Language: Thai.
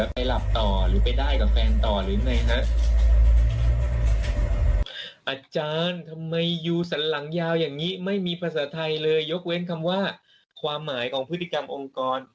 ไม่จำเป็นต้องอยู่ที่นี่ครบตอนนี้มีคนอยู่กับครูเพียง๖คนค่ะ